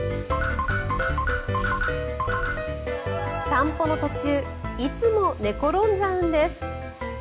散歩の途中いつも寝転んじゃうんです。